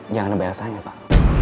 yang ada bayasanya pak